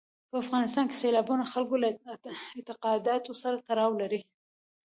په افغانستان کې سیلابونه د خلکو له اعتقاداتو سره تړاو لري.